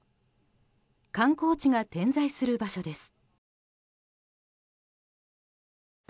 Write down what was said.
観光地が点在する場所です。